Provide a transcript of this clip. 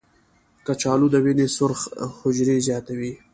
کچالو د وینې سرخ حجرې زیاتوي.